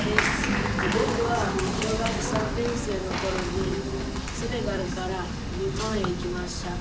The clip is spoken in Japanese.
ぼくは小学３年生のころにセネガルから日本へ来ました。